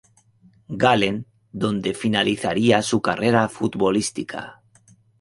Gallen, donde finalizaría su carrera futbolística.